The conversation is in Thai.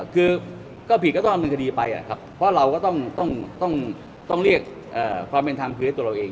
คือก็ผิดก็ต้องดำเนินคดีไปนะครับเพราะเราก็ต้องเรียกความเป็นธรรมคือให้ตัวเราเอง